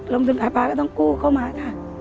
ลงถึงภาพาก็ต้องกู้เข้ามาค่ะ